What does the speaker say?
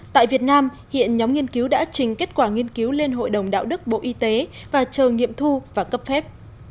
tại việt nam hiện nhóm nghiên cứu đã trình kết quả nghiên cứu lên hội đồng đạo đức bộ y tế và chờ nghiệm thu và cấp phép